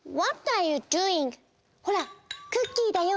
ほらクッキーだよ。